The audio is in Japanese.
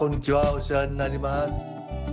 お世話になります。